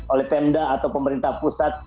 oleh pemda atau pemerintah pusat